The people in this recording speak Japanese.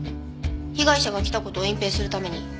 被害者が来た事を隠蔽するために。